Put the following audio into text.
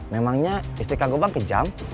memangnya istri kak gobang kejam